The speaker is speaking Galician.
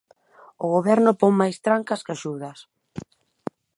O goberno pon máis trancas que axudas.